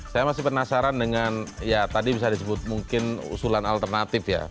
saya masih penasaran dengan ya tadi bisa disebut mungkin usulan alternatif ya